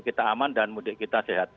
kita aman dan mudik kita sehat